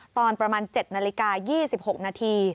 ตอนประมาณ๗นาฬิกา๒๖นาที